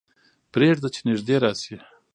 پرېږده چې نږدې راشي.